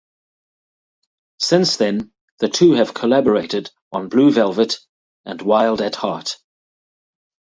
Since then the two have collaborated on "Blue Velvet" and "Wild at Heart".